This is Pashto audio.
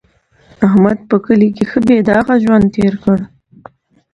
احمد په کلي کې ښه بې داغه ژوند تېر کړ.